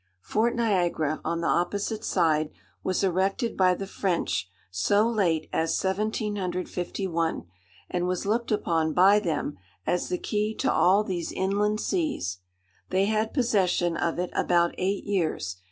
Fort Niagara, on the opposite side, was erected by the French so late as 1751, and was looked upon by them as the key to all these inland seas. They had possession of it about eight years.